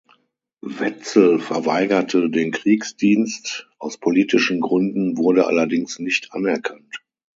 Wetzel verweigerte den Kriegsdienst aus politischen Gründen, wurde allerdings nicht anerkannt.